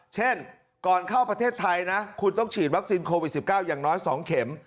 เช่นก่อนเข้าประเทศไทยนะคุณต้องฉีดวัคซีนโควิด๑๙อย่างน้อย๒เข็ม